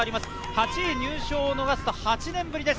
８位入賞を逃すと８年ぶりです。